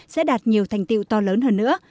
sẽ đạt nhiều thành tiệu to lớn hơn nữa